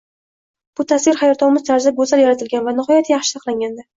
Bu tasvir hayratomuz tarzda goʻzal yaratilgan va u nihoyatda yaxshi saqlangandi